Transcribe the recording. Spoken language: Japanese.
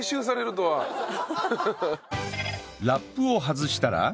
ラップを外したら